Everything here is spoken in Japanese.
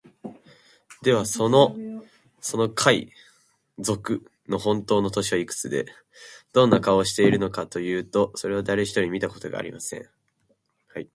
では、その賊のほんとうの年はいくつで、どんな顔をしているのかというと、それは、だれひとり見たことがありません。